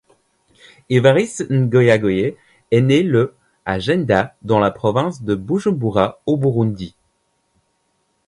Évariste Ngoyagoye est né le à Jenda, dans la province de Bujumbura au Burundi.